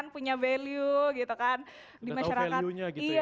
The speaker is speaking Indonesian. punya value gitu kan